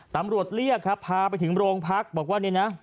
ตำรวจเรียกพาไปถึงโรงพักบอกว่า